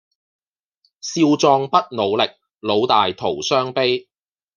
少壯不努力，老大徒傷悲